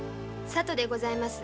さとでございます